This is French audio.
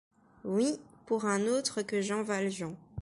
Oui, pour un autre que Jean Valjean.